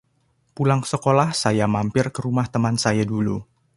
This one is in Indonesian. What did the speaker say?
Pulang sekolah saya mampir ke rumah teman saya dulu.